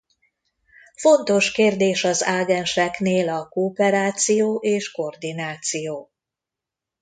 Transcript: Fontos kérdés az ágenseknél a kooperáció és koordináció.